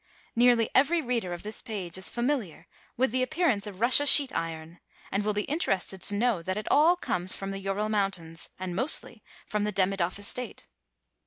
Nearly every reader of this page is familiar with the appearance of Russia sheet iron, and will be interested to know that it all comes from the Ural mountains and mostly from the Demidoff estate.